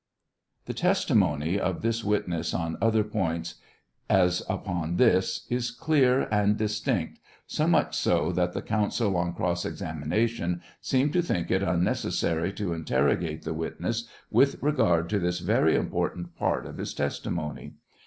The testimony of this witness on other poiats, as upon this, is clear and dis tinct, so much so that the counsel on cross examination seemed to think it unnecessary to interrogate the witness with regard to this very important part of his testimony.